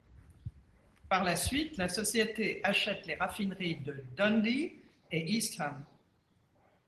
Par la suite, la société achète les raffineries de Dundee et Eastham.